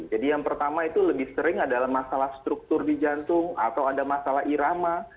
jadi yang pertama itu lebih sering adalah masalah struktur di jantung atau ada masalah irama